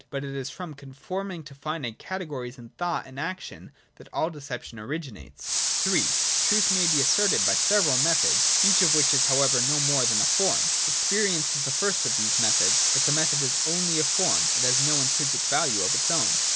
But it is from conforming to finite cate gories in thought and action that all deception oricrinates. (3) Truth may be ascertained by several methods, each of which however is no more than a form. Experience is the first of these methods. But the method is only a form : it has no intrinsic value of its own.